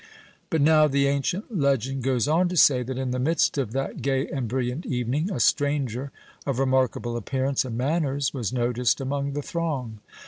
But now, the ancient legend goes on to say, that in the midst of that gay and brilliant evening, a stranger of remarkable appearance and manners was noticed among the throng.